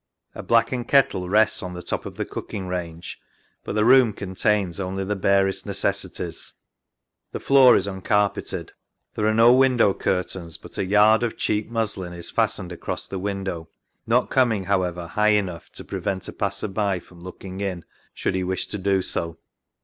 A blackened kettle rests on the top of the cooking range, but the room contains only the barest necessities. The floor is uncarpeted. There are no window curtains, but a yard of cheap muslin is fastened across the window, not coming, however, high enough to prevent a passer by from looking in should he wish to do so.